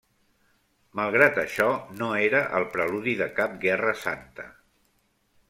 Malgrat això, no era el preludi de cap guerra santa.